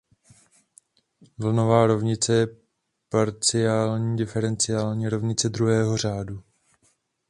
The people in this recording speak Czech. Vlnová rovnice je parciální diferenciální rovnice druhého řádu.